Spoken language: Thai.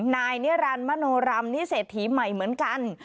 นายเนียรันมโนรัมนิเศษฐีใหม่เหมือนกัน